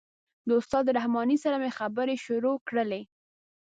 د استاد رحماني سره مې خبرې شروع کړلې.